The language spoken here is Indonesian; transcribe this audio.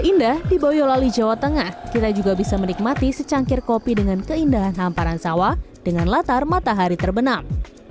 indah di boyolali jawa tengah kita juga bisa menikmati secangkir kopi dengan keindahan hamparan sawah dengan latar matahari terbenam